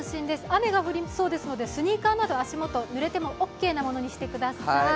雨が降りそうですのでスニーカーなど足元、ぬれてもオーケーなものにしてください。